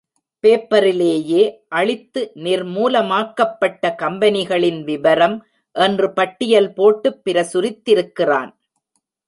பேப்பரிலேயே, அழித்து நிர்மூலமாக்கப்பட்ட கம்பெனிகளின் விபரம் என்று பட்டியல் போட்டு பிரசுரித்திருக்கிறான்.